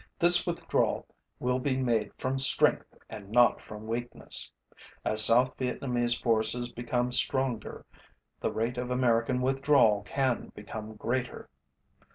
This withdrawal will be made from strength and not from weakness. As South Vietnamese forces become stronger, the rate of American withdrawal can become greater.